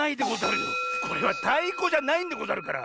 これはたいこじゃないんでござるから。